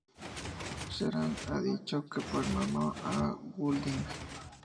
Sheeran ha dicho que perdonó a Goulding.